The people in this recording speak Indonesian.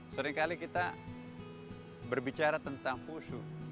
seringkali kita berbicara tentang khusyuk